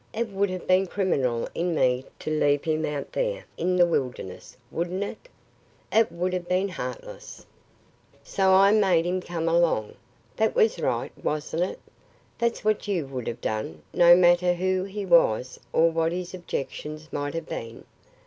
It would have been criminal in me to leave him out there in the wilderness, wouldn't it?" "It would have been heartless." "So I just made him come along. That was right, wasn't it? That's what you would have done, no matter who he was or what his objections might have been.